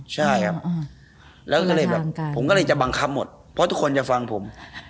ใช่ครับแล้วก็เลยแบบผมก็เลยจะบังคับหมดเพราะทุกคนจะฟังผม